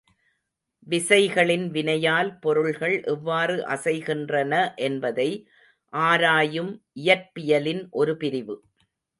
விசைகளின் வினையால் பொருள்கள் எவ்வாறு அசைகின்றன என்பதை ஆராயும் இயற்பியலின் ஒரு பிரிவு.